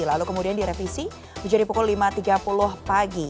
lalu kemudian direvisi menjadi pukul lima tiga puluh pagi